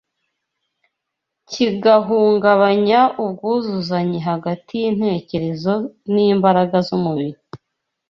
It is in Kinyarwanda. kigahungabanya ubwuzuzanye hagati y’intekerezo n’imbaraga z’umubiri